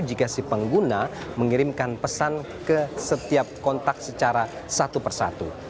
jika si pengguna mengirimkan pesan ke setiap kontak secara satu persatu